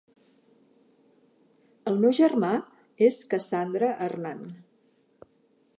El meu germà és Cassandra Hernán.